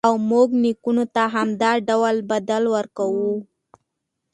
او موږ نېکانو ته همدا ډول بدل ورکوو.